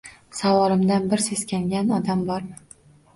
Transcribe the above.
Savolimdan bir seskangan odam bormi?